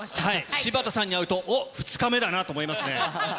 柴田さんに会うと、おっ、２日目だなと思いますね。